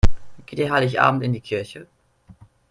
Geht ihr Heiligabend in die Kirche?